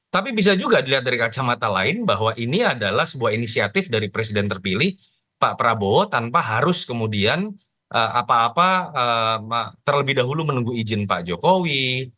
tapi bisa juga dilihat dari kacamata lain bahwa ini adalah sebuah inisiatif dari presiden terpilih pak prabowo tanpa harus kemudian terlebih dahulu menunggu izin pak jokowi